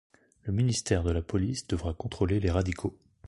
Le Ministère de la Police devra contrôler les radicaux.